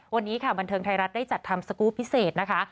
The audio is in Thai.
วันนี้ค่ะบันเทิงไทยรัฐได้จัดทำสกูลพิเศษนะคะ